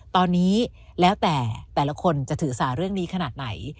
ตอนนี้แล้วแต่แต่ละคนจะถือสาเรื่องนี้ขนาดไหน